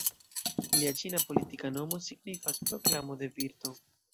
Lia ĉina politika nomo signifas "Proklamo de Virto".